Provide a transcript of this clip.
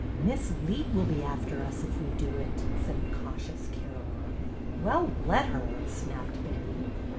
" Miss Leet will be after us if we do it," said the cautious Caroline. " Well, let her !" snapped Betty.